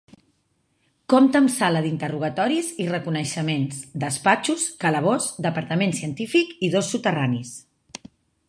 Compta amb sala d'interrogatoris i reconeixements, despatxos, calabós, departament científic i dos soterranis.